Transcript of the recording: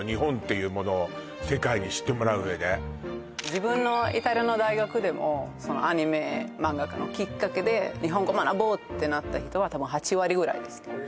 自分のイタリアの大学でもそのアニメ漫画がきっかけで日本語学ぼうってなった人は多分８割ぐらいですねへえ